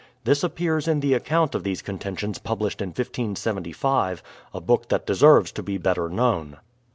This appears in the account of these contentions published in 1575 — a book that deserves to be better known.